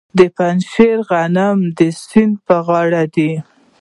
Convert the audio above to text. د پنجشیر غنم د سیند په غاړه دي.